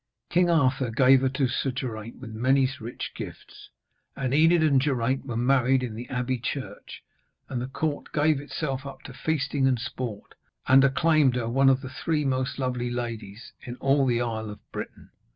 King Arthur gave her to Sir Geraint with many rich gifts, and Enid and Geraint were married in the abbey church, and the court gave itself up to feasting and sport, and acclaimed her one of the three most lovely ladies in all the isle of Britain.